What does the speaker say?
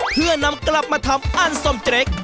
เพื่อนำกลับมาทำอันสมเจรค